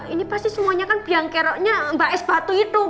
ini pasti semuanya kan biang keroknya mbak es batu itu